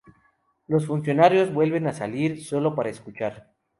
Los funcionarios vuelven a salir, sólo para escuchar.